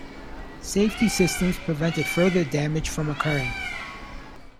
Safety systems prevented further damage from occurring.